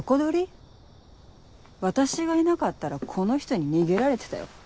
私がいなかったらこの人に逃げられてたよ。